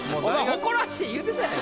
「誇らしい」言うてたやん。